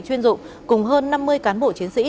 chuyên dụng cùng hơn năm mươi cán bộ chiến sĩ